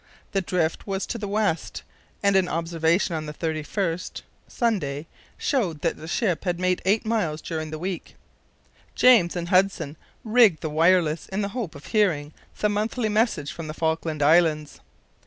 The drift was to the west, and an observation on the 31st (Sunday) showed that the ship had made eight miles during the week. James and Hudson rigged the wireless in the hope of hearing the monthly message from the Falkland Islands.